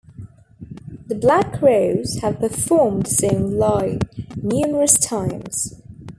The Black Crowes have performed the song live numerous times.